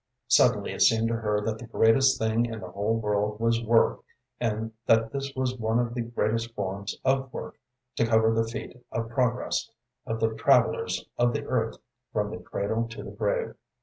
Suddenly it seemed to her that the greatest thing in the whole world was work and that this was one of the greatest forms of work to cover the feet of progress of the travellers of the earth from the cradle to the grave.